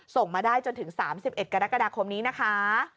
ส่งมาได้จนถึง๓๑กรกฎาคมนี้นะคะ